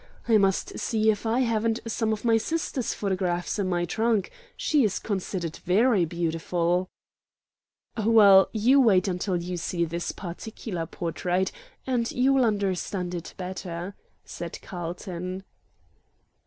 I must see if I haven't some of my sister's photographs in my trunk. She is considered very beautiful." "Well, you wait until you see this particular portrait, and you will understand it better," said Carlton.